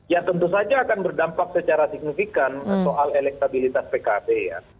ya tentu saja akan berdampak secara signifikan soal elektabilitas pkb ya